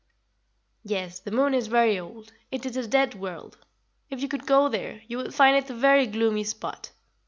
"Yes, the moon is very old; it is a dead world. If you could go there, you would find it a very gloomy spot.